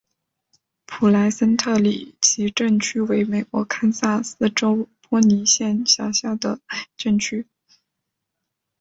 普莱森特里奇镇区为美国堪萨斯州波尼县辖下的镇区。